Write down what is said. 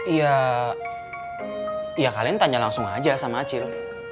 ya ya kalian tanya langsung aja sama acil